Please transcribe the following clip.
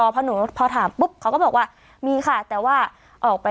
พอหนูพอถามปุ๊บเขาก็บอกว่ามีค่ะแต่ว่าออกไป